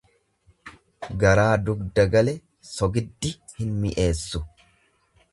Garaa dugda gale sogiddi hin mi'eessu.